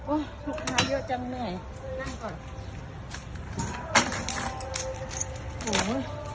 ลูกค้าเยอะจังเหนื่อยนั่งก่อน